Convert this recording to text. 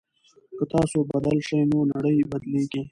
که تاسو بدل شئ نو نړۍ بدليږي.